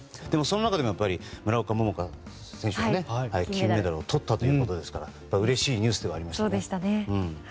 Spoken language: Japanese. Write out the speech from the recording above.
でもその中でも村岡桃佳選手が金メダルとったということですからうれしいニュースではありましたね。